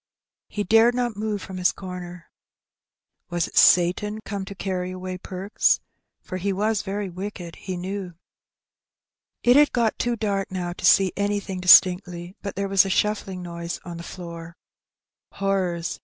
He dared not move from his comer. Was it Satan come to carry away Perks? for he was very wicked, he knew. It had got too dark now to see anything distinctly; but there was a shuiBling noise on the floor. Horrors!